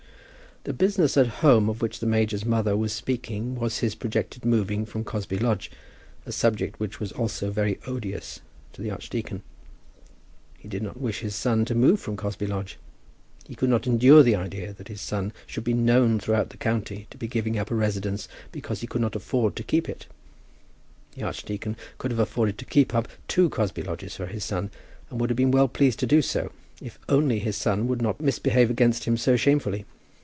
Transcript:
The business at home of which the major's mother was speaking was his projected moving from Cosby Lodge, a subject which was also very odious to the archdeacon. He did not wish his son to move from Cosby Lodge. He could not endure the idea that his son should be known throughout the county to be giving up a residence because he could not afford to keep it. The archdeacon could have afforded to keep up two Cosby Lodges for his son, and would have been well pleased to do so, if only his son would not misbehave against him so shamefully!